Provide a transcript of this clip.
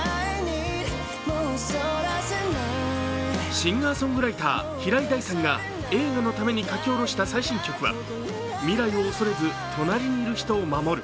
シンガーソングライター平井大さんが映画のために書きおろした最新曲は未来を恐れず隣にいる人を守る